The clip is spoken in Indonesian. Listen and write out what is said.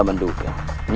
igilir tuju humans